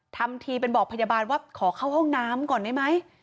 ทำทีเป็นบอกพยาบาลว่าขอเข้าห้องน้ำก่อนได้ไหม